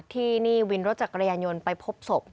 ที่นี่วินรถจักรยานยนต์ไปพบศพ